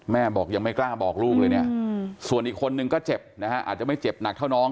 บอกยังไม่กล้าบอกลูกเลยเนี่ยส่วนอีกคนนึงก็เจ็บนะฮะอาจจะไม่เจ็บหนักเท่าน้อง